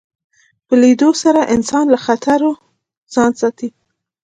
په لیدلو سره انسان له خطرو ځان ساتي